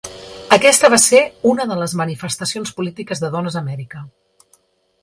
Aquesta va ser una de les manifestacions polítiques de dones a Amèrica.